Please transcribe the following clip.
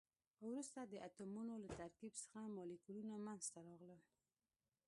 وروسته د اتمونو له ترکیب څخه مالیکولونه منځ ته راغلل.